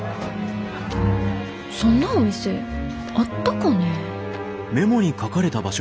そんなお店あったかね？